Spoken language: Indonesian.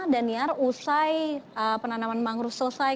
dan nanti setelah dhaniar usai penanaman mangrove selesai